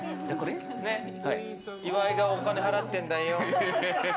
岩井がお金払ってるんだよ。